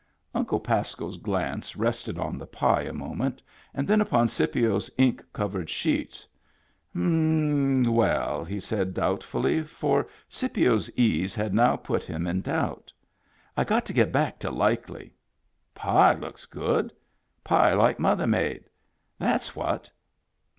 Uncle Pasco's glance rested on the pie a moment, and then upon Scipio's ink covered sheets. "M — well," he said doubtfully, for Scipio's ease had now put him in doubt, " I got to get back to Likely. Pie looks good. Pie like mother made. That's what.